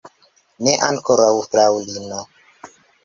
Ne ankoraŭ, fraŭlino.